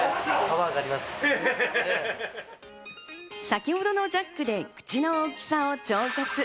先ほどのジャックで口の大きさを調節。